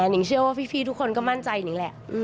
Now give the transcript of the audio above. นิ่งเชื่อว่าพี่ทุกคนก็มั่นใจนิ่งแหละ